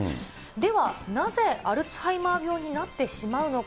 ではなぜ、アルツハイマー病になってしまうのか。